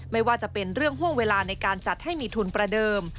ไม่ว่าจะเป็นเรื่องห่วงเวลาในการจัดให้มีทุนประเดิม